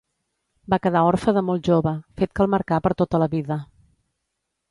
Va quedar orfe de molt jove, fet que el marcà per tota la vida.